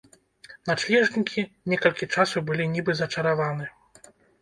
Начлежнікі некалькі часу былі нібы зачараваны.